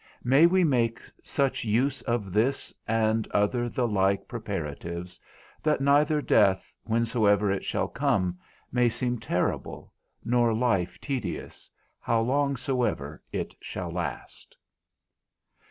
May we make such use of this and other the like preparatives, that neither death, whensoever it shall come, may seem terrible, nor life tedious, how long soever it shall last.